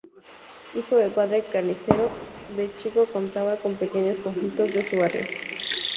Hijo de padre carnicero, de chico cantaba con pequeños conjuntos de su barrio.